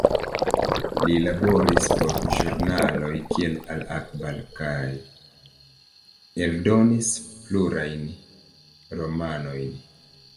Li laboris por ĵurnaloj kiel Al-Akhbar kaj eldonis plurajn romanojn.